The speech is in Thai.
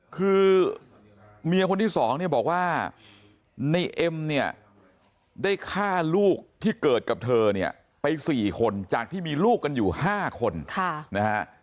คือเมียคนที่สองเนี่ยบอกว่าในเอ็มเนี่ยได้ฆ่าลูกที่เกิดกับเธอเนี่ยไป๔คนจากที่มีลูกกันอยู่๕คนนะฮะ